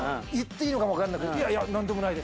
言っていいのかも分かんなく。